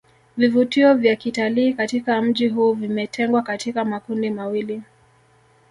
vivutio vya kitalii katika mji huu vimetengwa katika makundi mawili